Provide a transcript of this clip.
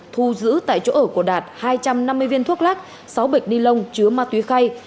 thu giữ tại chỗ ở của đạt hai trăm năm mươi viên thuốc lắc sáu bịch ni lông chứa ma túy khay